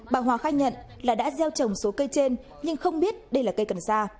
bà hòa khai nhận là đã gieo trồng số cây trên nhưng không biết đây là cây cần sa